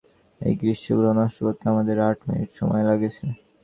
এই গ্রীষ্মগৃহ নষ্ট করতে আমাদের আট মিনিট সময় লেগেছে।